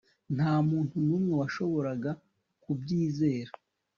nta muntu n'umwe washoboraga kubyizera